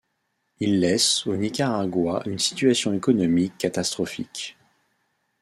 Il laisse au Nicaragua une situation économique catastrophique.